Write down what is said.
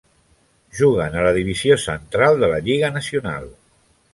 Juguen a la Divisió central de la Lliga nacional.